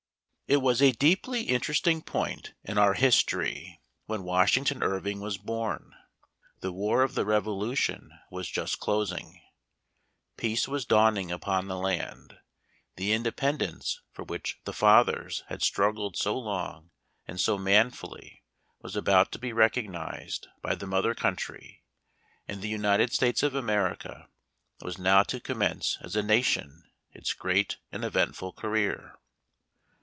IT was a deeply interesting point in our history when Washington Irving was born. The war of the Revolution was just closing, peace was dawning upon the land, the independ ence for which " the fathers " had struggled so long and so manfully was about to be recognized by the mother country, and the United States of America was now to commence as a nation its great and eventful career.